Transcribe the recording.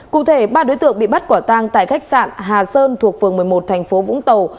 cụ thể ba đối tượng bị bắt quả tăng tại khách sạn hà sơn thuộc phường một mươi một tp vũng tàu